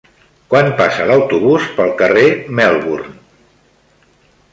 Quan passa l'autobús pel carrer Melbourne?